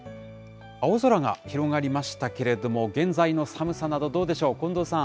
青空が広がりましたけれども、現在の寒さなど、どうでしょう、近藤さん。